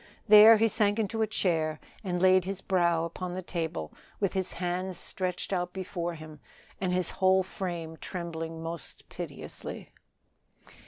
There he sank into a chair and laid his brow upon the table with his hands stretched out before him and his whole frame trembling most piteously.